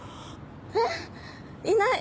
えっ！いない？